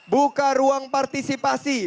buka ruang partisipasi